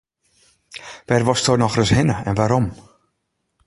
Wêr wolsto nochris hinne en wêrom?